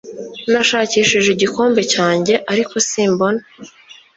Nashakishije igikombe cyanjye ariko simbona